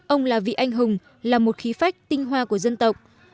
ông là vị anh hùng là một khí phách tinh hoa của dân tộc